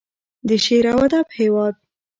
د شعر او ادب هیواد.